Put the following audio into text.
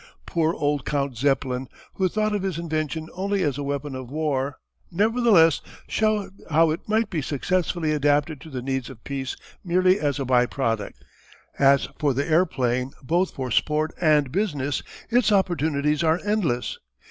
Poor old Count Zeppelin, who thought of his invention only as a weapon of war, nevertheless showed how it might be successfully adapted to the needs of peace merely as a byproduct. As for the airplane both for sport and business its opportunities are endless.